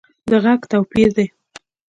د غږ توپیر دی